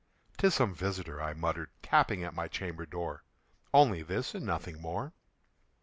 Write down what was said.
"'Tis some visitor," I muttered, "tapping at my chamber door Only this and nothing more."